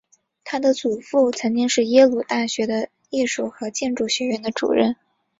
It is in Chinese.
她的祖父曾经是耶鲁大学的艺术和建筑学院的主任。